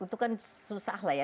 itu kan susah lah ya